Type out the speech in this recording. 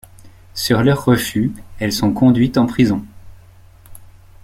Sur leur refus, elles sont conduites en prison.